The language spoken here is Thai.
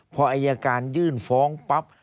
พออายการยื่นฟ้องปั๊บ